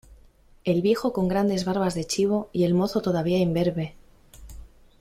el viejo con grandes barbas de chivo, y el mozo todavía imberbe.